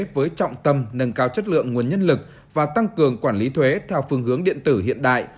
với trọng tâm nâng cao chất lượng nguồn nhân lực và tăng cường quản lý thuế theo phương hướng điện tử hiện đại